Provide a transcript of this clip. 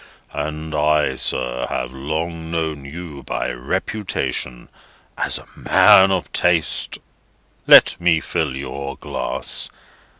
"And I, sir, have long known you by reputation as a man of taste. Let me fill your glass.